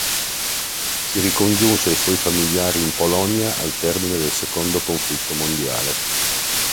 Si ricongiunse ai suoi familiari in Polonia al termine del secondo conflitto mondiale.